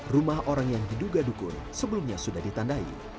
rumah orang yang diduga dukun sebelumnya sudah ditandai